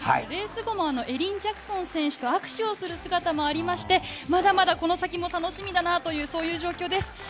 レース後もエリン・ジャクソン選手と握手をする姿もありましてまだまだこの先も楽しみだなというそういう状況です。